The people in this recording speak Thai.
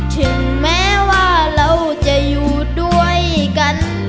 ถึงแม้ว่าเราจะอยู่ด้วยกัน